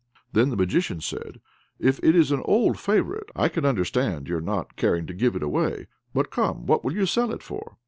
Then the Magician said, "If it is an old favourite, I can understand your not caring to give it away; but come what will you sell it for?"